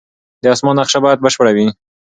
د اسمان نقشه باید بشپړه وي.